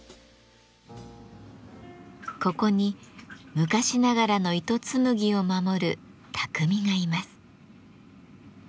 ここに昔ながらの糸紡ぎを守る匠がいます。